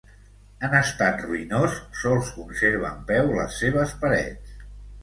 En estat ruïnós, sols conserva en peu les seves parets.